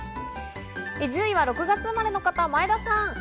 １０位は６月生まれの方、前田さん。